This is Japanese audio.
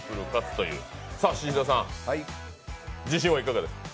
宍戸さん、自信はいかがですか？